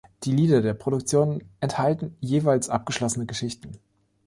Die Lieder der Produktionen enthalten jeweils abgeschlossene Geschichten.